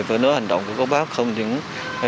và nó hành động của các bác không những